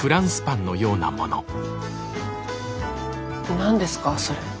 何ですかそれ？